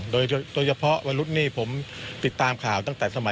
โดยเฉพาะมนุษย์นี่ผมติดตามข่าวตั้งแต่สมัย